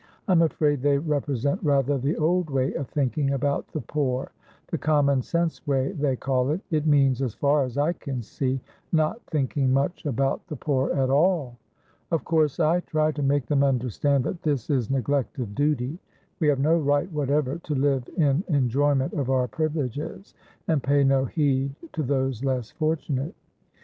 "I'm afraid they represent rather the old way of thinking about the poorthe common sense way, they call it; it means, as far as I can see, not thinking much about the poor at all. Of course I try to make them understand that this is neglect of duty. We have no right whatever to live in enjoyment of our privileges and pay no heed to those less fortunate.